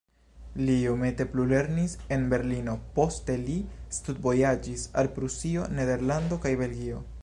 Li iomete plulernis en Berlino, poste li studvojaĝis al Prusio, Nederlando kaj Belgio.